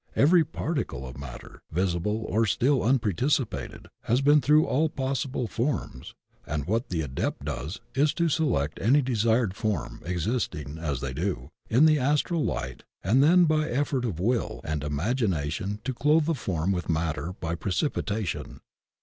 Every particle of matter, visible or still unprecipitated, has been through all possible forms, and what the Adept does is to select any desired form, existing, as they do, in the Astral Light and then by effort of the Will and Imagination to clothe the form with the matter by precipitation.